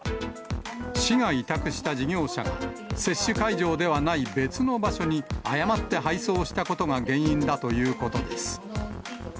市が委託した事業者が、接種会場ではない別の場所に誤って配送したことが原因だということです。